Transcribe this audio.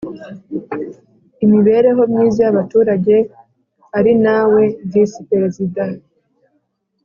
Imibereho myiza y abaturage ari na we visi perezida